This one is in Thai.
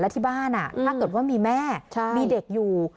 ถ้าเกิดว่ามีแม่มีเด็กอยู่